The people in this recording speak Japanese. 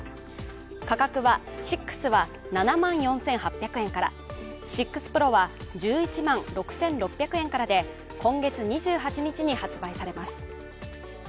価格は６は７万４８００円から６Ｐｒｏは１１万６６００円からで今月２８日に発売されます。